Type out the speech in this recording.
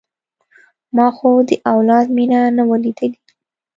ما خو د اولاد مينه نه وه ليدلې.